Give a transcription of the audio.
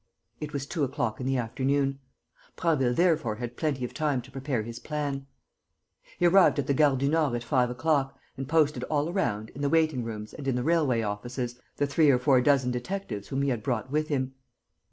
It was two o'clock in the afternoon. Prasville therefore had plenty of time to prepare his plan. He arrived at the Gare du Nord at five o'clock and posted all around, in the waiting rooms and in the railway offices, the three or four dozen detectives whom he had brought with him.